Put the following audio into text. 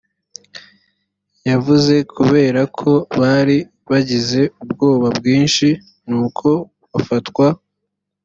yavuze kubera ko bari bagize ubwoba bwinshi nuko barafatwa